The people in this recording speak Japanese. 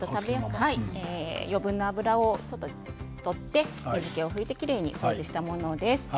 余分な脂を取って水けを拭いてきれいに掃除したものです。